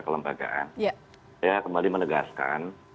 kelembagaan saya kembali menegaskan